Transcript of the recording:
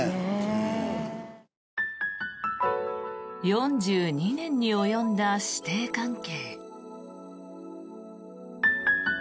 ４２年に及んだ師弟関係。